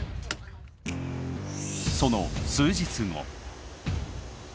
その数日後。